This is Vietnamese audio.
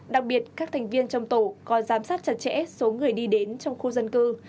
đặc biệt các thành viên trong tổ có giám sát chặt chẽ số người đi đến trong khu dân cư